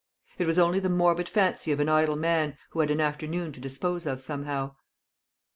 It was only the morbid fancy of an idle man, who had an afternoon to dispose of somehow.